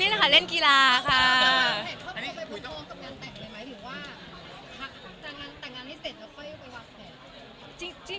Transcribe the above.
แต่งงานให้เสร็จแล้วก็ให้ไปวัดแผ่ง